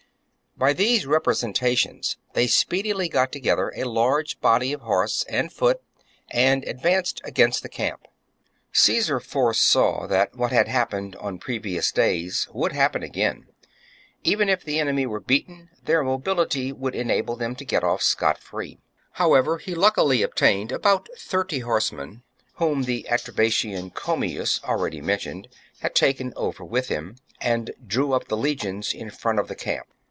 By these representations they speedily got together a large body of horse and foot, and advanced against the camp. 35. Caesar foresaw that what had happened on previous days would happen again, — even if the enemy were beaten, their mobility would enable them to get off scot free ; however, he luckily obtained about thirty horsemen, whom the Atre batian, Commius, already mentioned, had taken over with him, and drew up the legions in front of the camp.